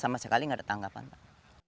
sama sekali nggak ada tanggapan pak